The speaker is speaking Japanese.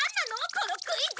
このクイズ！